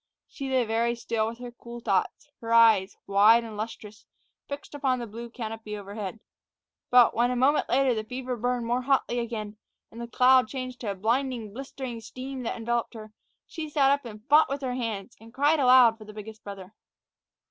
She lay very still with her cool thoughts, her eyes, wide and lustrous, fixed upon the blue canopy overhead. But when, a moment later, the fever burned more hotly again, and the cloud changed to a blinding, blistering steam that enveloped her, she sat up and fought with her hands, and cried aloud for the biggest brother.